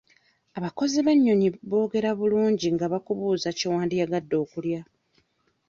Abakozi b'ennyonyi boogera bulungi nga bakubuuza kye wandiyagadde okulya.